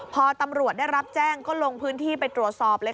พอตำรวจได้รับแจ้งก็ลงพื้นที่ไปตรวจสอบเลย